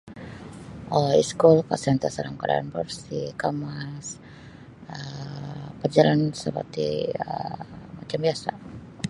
um iskul santiasa barsih dan kamas um parjalanan seperti um macam biasa'.